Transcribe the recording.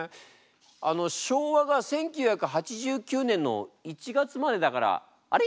あの昭和が１９８９年の１月までだからあれ？